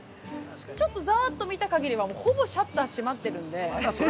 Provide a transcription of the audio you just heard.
ちょっと、ざあっと見た限りは、ほぼシャッター閉まっているんで。